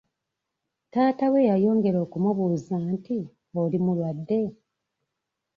Taata we yayongera okumubuuza nti, “Oli mulwadde?”